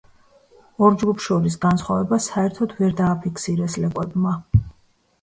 ორ ჯგუფს შორის განსხვავება საერთოდ ვერ დააფიქსირეს ლეკვებმა.